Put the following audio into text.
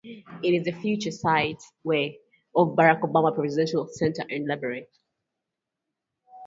It is the future site of the Barack Obama Presidential Center and library.